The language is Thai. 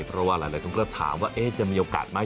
เพราะว่าหลายคนก็ถามว่าจะมีโอกาสไหม